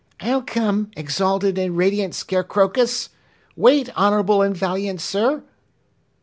"I'll come, exalted and radiant Scarecrowcus! Wait, honorable and valiant Sir!"